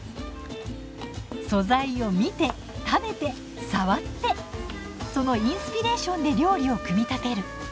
素材を見て食べて触ってそのインスピレーションで料理を組み立てる。